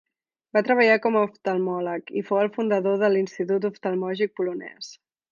Va treballar com a oftalmòleg, i fou el fundador de l'Institut Oftalmològic Polonès.